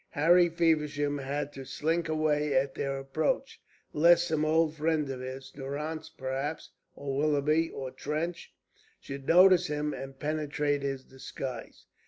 Harry Feversham had to slink away at their approach, lest some old friend of his Durrance, perhaps, or Willoughby, or Trench should notice him and penetrate his disguise.